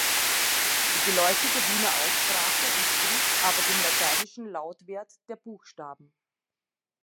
Die geläufige Wiener Aussprache entspricht aber dem lateinischen Lautwert der Buchstaben.